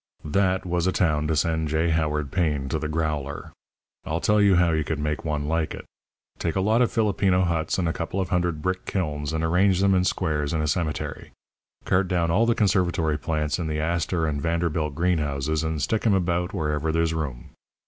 "That was a town to send J. Howard Payne to the growler. I'll tell you how you could make one like it. Take a lot of Filipino huts and a couple of hundred brick kilns and arrange 'em in squares in a cemetery. Cart down all the conservatory plants in the Astor and Vanderbilt greenhouses, and stick 'em about wherever there's room.